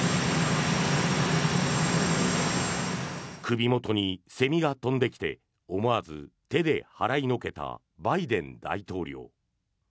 首元にセミが飛んできて思わず手で払いのけたバイデン大統領。